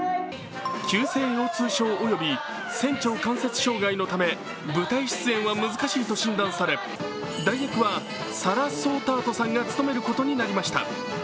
急性腰痛症及び仙腸関節障害のため舞台出演は難しいと診断され代役はサラ・ソータートさんが務めることになりました。